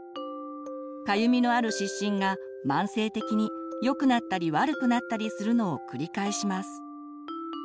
かゆみのある湿疹が慢性的によくなったり悪くなったりするのを繰り返します。